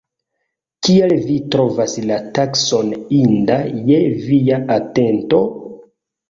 Kial vi trovas la taskon inda je via atento?